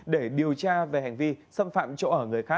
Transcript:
để điều tra về hành vi xâm phạm chỗ ở